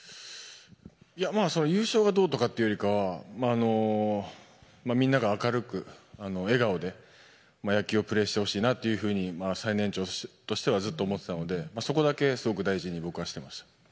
優勝がどうとかというよりかはみんなが明るく笑顔で野球をプレーしてほしいなと最年長としてはずっと思っていたのでそこだけ僕はすごく大事にしてました。